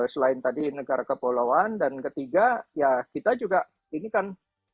selain tadi negara kepulauan dan ketiga ya kita juga ini kan